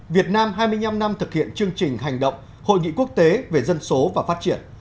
việt nam hai mươi năm năm thực hiện chương trình hành động hội nghị quốc tế về dân số và phát triển